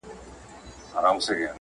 هسي نه چي دلیلا په شان بشر نه پیداکیږي